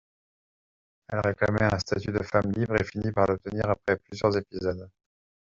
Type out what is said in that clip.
Elle réclamait un statut de femme libre et finit par l'obtenir après plusieurs épisodes.